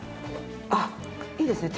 あっいいですね。